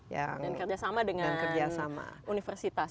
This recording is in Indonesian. dan kerjasama dengan universitas